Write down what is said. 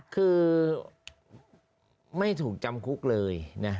คือไม่ถูกจำคุกเลยนะ